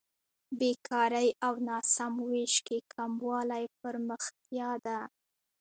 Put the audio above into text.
بېکارۍ او ناسم وېش کې کموالی پرمختیا ده.